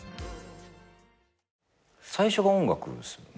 最初が音楽ですもんね。